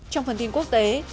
trong phần tin quốc tế